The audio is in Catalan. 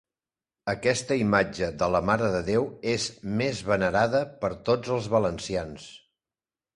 Aquesta imatge de la marededéu és més venerada per tots els valencians.